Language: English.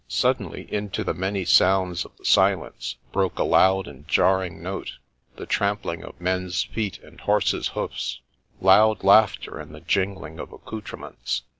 Suddenly, into the many sounds of the silence, broke a loud and jarring note; the trampling of men's feet and horses' hoofs ; loud laughter and the jingling of accoutrements.